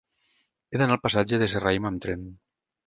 He d'anar al passatge de Serrahima amb tren.